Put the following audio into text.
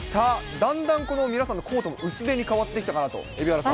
だんだんこの皆さんのコートも薄手にかわってきたかなと蛯原さん。